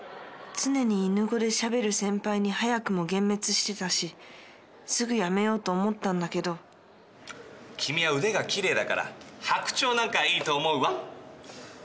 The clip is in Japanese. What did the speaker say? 常に犬語でしゃべる先輩に早くも幻滅してたしすぐやめようと思ったんだけど君は腕がきれいだから「白鳥」なんかいいと思うワン！